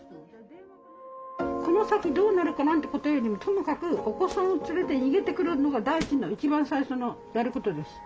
この先どうなるかなんてことよりもともかくお子さんを連れて逃げてくるのが第一の一番最初のやることです。